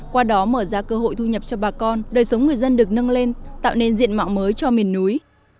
qua đó mở ra cơ hội thu nhập cho bà con đời sống người dân được nâng lên tạo nên diện mạo mới cho miền núi